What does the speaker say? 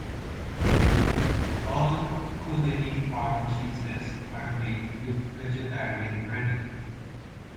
All Cooleeney Farm cheeses are made with vegetarian rennet.